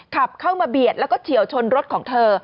ขับเข้ามาเบียดแล้วก็เฉียวชนรถของเธอ